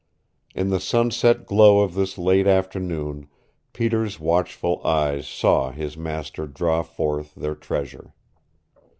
In the sunset glow of this late afternoon Peter's watchful eyes saw his master draw forth their treasure.